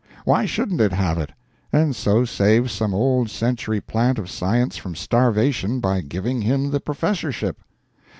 Why shouldn't it have it and so save some old century plant of science from starvation by giving him the professorship?